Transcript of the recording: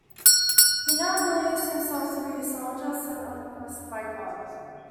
He now believes himself to be a soldier sent on a quest by God.